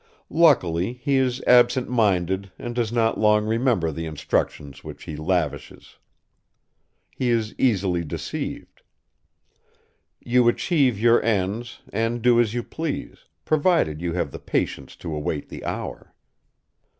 Luckily, he is absent minded and does not long remember the instructions which he lavishes. He is easily deceived. You achieve your ends and do as you please, provided you have the patience to await the hour.